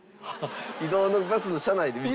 移動のバスの車内で見て？